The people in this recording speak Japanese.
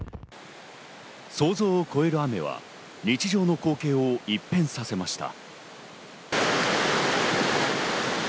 想像を超える雨は日常の光景を一変させました。